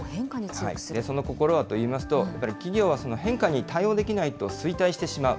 その心はといいますと、やっぱり企業はその変化に対応できないと衰退してしまう。